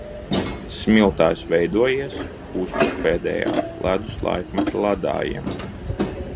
Smiltājs veidojies, kūstot pēdējā ledus laikmeta ledājiem.